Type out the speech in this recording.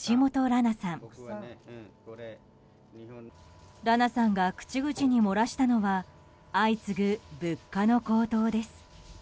羅名さんが口々に漏らしたのは相次ぐ物価の高騰です。